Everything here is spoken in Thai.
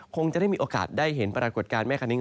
คงจะได้มีโอกาสได้เห็นปรากฏการณ์แม่คณิ้ง